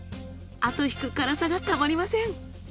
後引く辛さがたまりません！